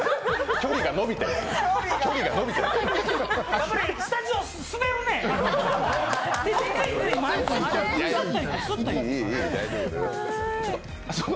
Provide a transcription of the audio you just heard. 距離が延びてるの。